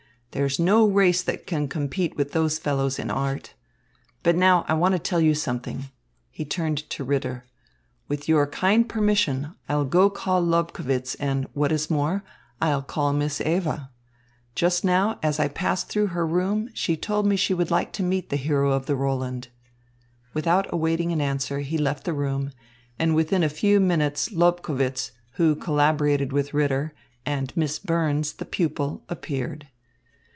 There's no race that can compete with those fellows in art. But now I want to tell you something." He turned to Ritter. "With your kind permission, I'll go call Lobkowitz and, what is more, I'll call Miss Eva. Just now, as I passed through her room, she told me she would like to meet the hero of the Roland." Without awaiting an answer, he left the room; and within a few moments Lobkowitz, who collaborated with Ritter, and Miss Burns, the pupil, appeared.